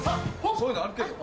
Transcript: そういうのあるけど。